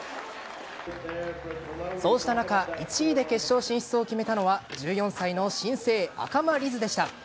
そうした中１位で決勝進出を決めたのは１４歳の新星・赤間凛音でした。